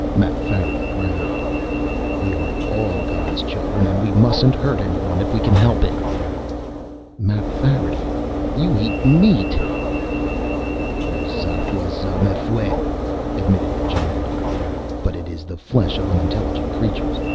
Mapfarity growled, "We are all God's children, and we mustn't hurt anyone if we can help it." "Mapfarity, you eat meat!" "Voo zavf w'zaw m'fweh," admitted the Giant. "But it is the flesh of unintelligent creatures.